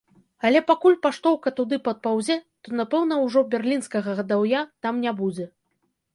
Але пакуль паштоўка туды падпаўзе, то напэўна ўжо берлінскага гадаўя там не будзе.